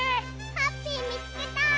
ハッピーみつけた！